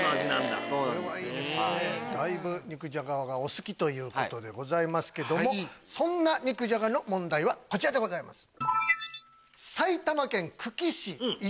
だいぶ肉じゃががお好きということですけどそんな肉じゃがの問題はこちらでございます。